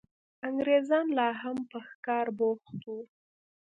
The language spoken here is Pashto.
انګرېزان لا هم په ښکار بوخت وو.